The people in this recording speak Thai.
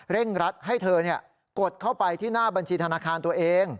รัดให้เธอกดเข้าไปที่หน้าบัญชีธนาคารตัวเอง